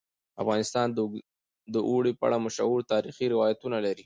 افغانستان د اوړي په اړه مشهور تاریخی روایتونه لري.